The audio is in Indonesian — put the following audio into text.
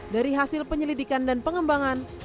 dari hasil penyelidikan dan pengembangan